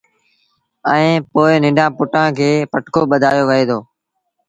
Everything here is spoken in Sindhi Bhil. ائيٚݩ پو ننڍآݩ پُٽآݩ کي پٽڪو ٻڌآيو وهي دو